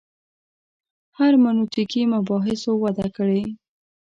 هرمنوتیکي مباحثو وده کړې.